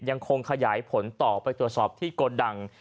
ยังคงขยายผลต่อไปตรวจสอบที่โกดัง